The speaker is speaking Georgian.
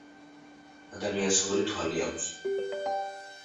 ადამიანს ორი თვალი აქვს